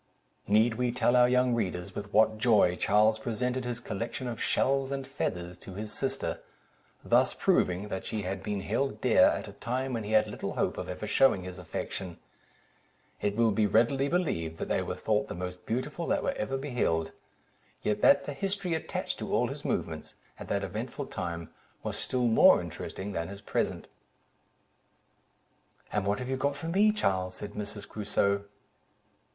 Need we tell our young readers with what joy Charles presented his collection of shells and feathers to his sister, thus proving, that she had been held dear, at a time when he had little hope of ever shewing his affection; it will be readily believed, that they were thought the most beautiful that were ever beheld; yet that the history attached to all his movements, at that eventful time, was still more interesting than his present. "And what have you got for me, Charles?" said Mrs. Crusoe.